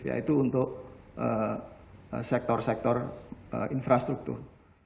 yaitu untuk sektor sektor infrastruktur